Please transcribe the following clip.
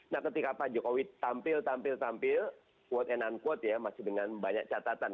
nah ketika pak jokowi tampil tampil tampil quote and unquote ya masih dengan banyak catatan